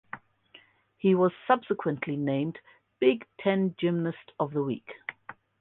He was subsequently named Big Ten Gymnast of the Week.